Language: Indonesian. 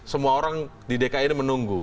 semua orang di dki ini menunggu